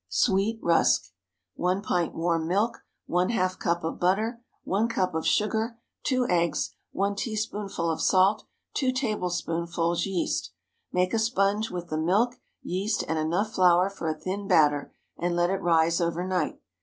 SWEET RUSK. ✠ 1 pint warm milk. ½ cup of butter. 1 cup of sugar. 2 eggs. 1 teaspoonful of salt. 2 tablespoonfuls yeast. Make a sponge with the milk, yeast, and enough flour for a thin batter, and let it rise over night.